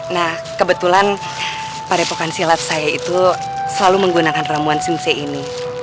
nah kebetulan padepokan silat saya itu selalu menggunakan ramuan sumse ini